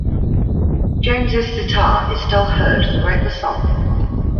Jones' sitar is still heard throughout the song.